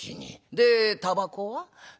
でたばこは？